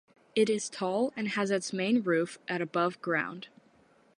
It is tall and has its main roof at above ground.